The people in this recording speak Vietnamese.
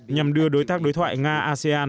nhằm đưa đối tác đối thoại nga asean